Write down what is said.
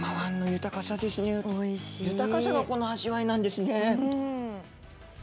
豊かさがこの味わいなんですね。